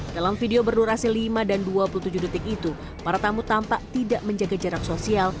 dalam video berdurasi lima dan dua puluh tujuh detik itu para tamu tampak tidak menjaga jarak sosial